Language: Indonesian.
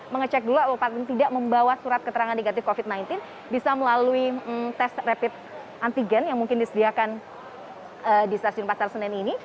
mengecek dulu apakah tidak membawa surat keterangan negatif covid sembilan belas bisa melalui tes rapid antigen yang mungkin disediakan di stasiun pasar senen ini